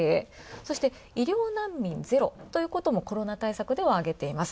そして医療難民ゼロということもコロナ対策では挙げています。